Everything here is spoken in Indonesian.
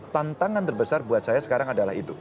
tantangan terbesar buat saya sekarang adalah itu